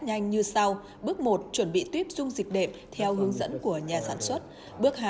nhanh như sau bước một chuẩn bị tuyếp dung dịch đệm theo hướng dẫn của nhà sản xuất bước hai